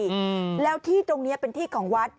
อืมแล้วที่ตรงเนี้ยเป็นที่ของวัด